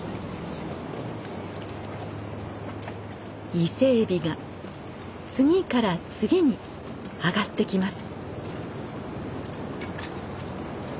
伊勢エビが次から次に揚がってきます。